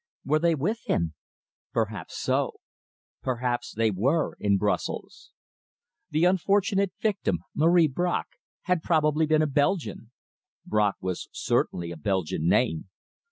Were they with him? Perhaps so! Perhaps they were there in Brussels! The unfortunate victim, Marie Bracq, had probably been a Belgian. Bracq was certainly a Belgian name.